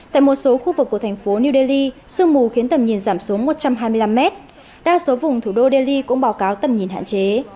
tại một số khu vực của thành phố new delhi sương mù khiến tầm nhìn giảm xuống một trăm hai mươi năm mét đa số vùng thủ đô delhi cũng báo cáo tầm nhìn hạn chế